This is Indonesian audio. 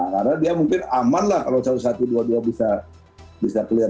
karena dia mungkin aman lah kalau satu satu dua dua bisa clear